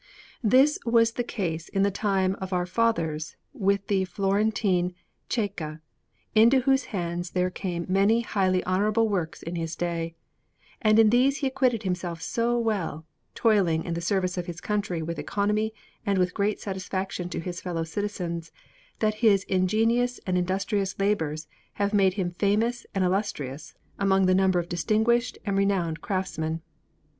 This was the case in the time of our fathers with the Florentine Cecca, into whose hands there came many highly honourable works in his day; and in these he acquitted himself so well, toiling in the service of his country with economy and with great satisfaction to his fellow citizens, that his ingenious and industrious labours have made him famous and illustrious among the number of distinguished and renowned craftsmen.